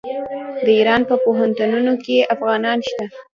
د ایران په پوهنتونونو کې افغانان شته.